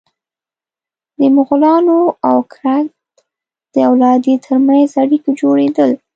د مغولانو او کرت د اولادې تر منځ اړیکو جوړېدل.